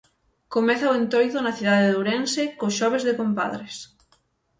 Comeza o Entroido na cidade de Ourense co Xoves de Compadres.